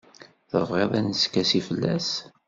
Tebɣiḍ ad neskasi fell-as?